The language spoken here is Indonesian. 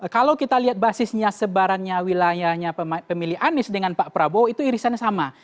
kalau kita lihat basisnya sebarannya wilayahnya pemilih anies dengan pak prabowo itu irisannya sama